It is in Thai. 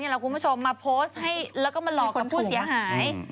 เราคุณผู้ชมมาโพสต์ให้แล้วก็มาหลอกกับผู้เสียหาย